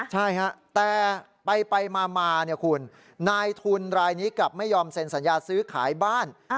ใช่ฮะแต่ไปมาคุณนายทุนรายนี้กลับไม่ยอมเซ็นสัญญาซื้อขายบ้าน